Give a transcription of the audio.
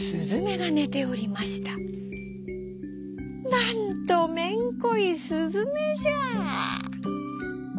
「なんとめんこいすずめじゃ」。